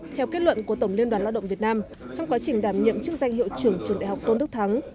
theo kết luận của tổng liên đoàn lao động việt nam trong quá trình đảm nhiệm chức danh hiệu trưởng trường đại học tôn đức thắng